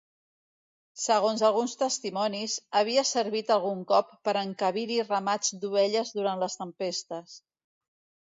Segons alguns testimonis, havia servit algun cop per a encabir-hi ramats d'ovelles durant les tempestes.